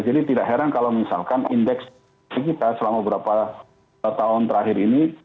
jadi tidak heran kalau misalkan indeks kita selama beberapa tahun terakhir ini